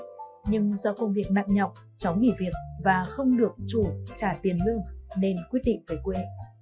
nhưng do công việc nặng nhọc cháu nghỉ việc và không được chủ trả tiền lương nên quyết định về quê